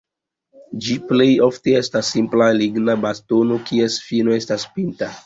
Ĝi plej ofte estas simpla ligna bastono, kies fino estas pinta.